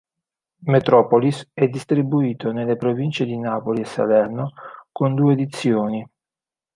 Metropolis è distribuito nelle province di Napoli e Salerno con due edizioni.